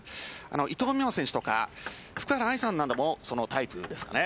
伊藤美誠選手とか福原愛さんなどもそのタイプですかね。